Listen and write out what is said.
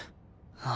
ああ。